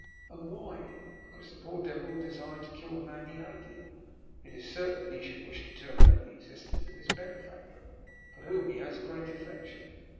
And why ? Because the poor devil desired to kill the man he hated, is it certain that he should wish to terminate the existence of his benefactor, for whom he has a great affection